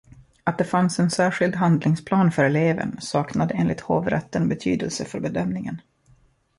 Att det fanns en särskild handlingsplan för eleven saknade enligt hovrätten betydelse för bedömningen.